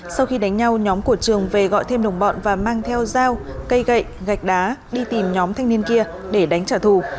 sau khi đánh nhau nhóm của trường về gọi thêm đồng bọn và mang theo dao cây gậy gạch đá đi tìm nhóm thanh niên kia để đánh trả thù